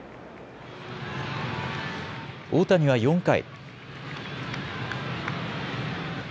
大谷は４回。